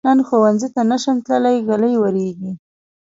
نن ښؤونځي ته نشم تللی، ږلۍ وریږي.